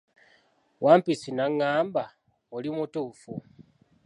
Wampisi n'agamba, oli mutuufu.